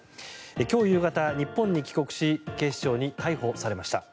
今日夕方、日本に帰国し警視庁に逮捕されました。